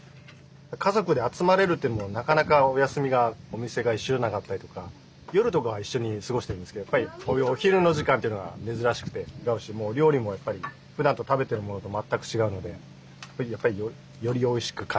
家族で集まれるというのもなかなかお休みがお店が一緒じゃなかったりとか夜とかは一緒に過ごしてるんですけどやっぱりお昼の時間というのは珍しくて料理もふだんと食べてるものと全く違うのでやっぱりよりおいしく感じますね。